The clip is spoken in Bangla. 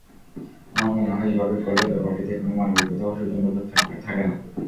আমার মনে হয়, এভাবে করলে ব্যাপারটিতে কোনও মানবিকতা ও সৌজন্যবোধ থাকে না।